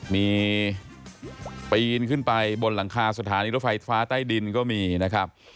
มีปีนขึ้นไปบนหลังคาสถานีรถไฟฟ้าใต้ดินก็มีนะครับ